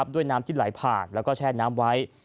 ด้วยน้ำที่ไหลผ่านแล้วก็แช่น้ำไว้